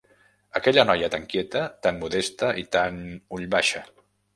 Aquella noia tant quieta, tant modoseta i tant ull-baixa